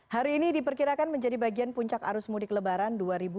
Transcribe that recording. hari ini diperkirakan menjadi bagian puncak arus mudik lebaran dua ribu dua puluh